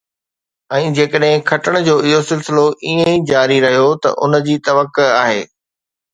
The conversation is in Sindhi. ۽ جيڪڏهن کٽڻ جو اهو سلسلو ائين ئي جاري رهيو ته ان جي توقع آهي